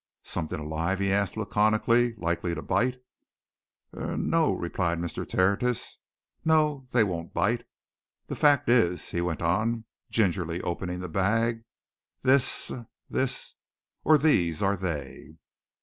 "Something alive?" he asked laconically. "Likely to bite?" "Er no!" replied Mr. Tertius. "No they won't bite. The fact is," he went on, gingerly opening the bag, "this er this, or these are they."